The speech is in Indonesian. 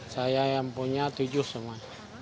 saya yang punya tujuh semua